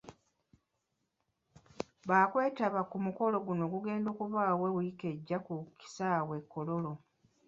Baakwetaba ku mukolo guno ogugenda okubaawo wiiki ejja ku kisaawe e Kololo.